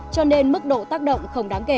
cho nên mức độ tác động không đáng kể